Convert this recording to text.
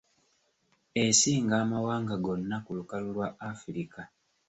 Esinga amawanga gonna ku lukalu lwa Afirika.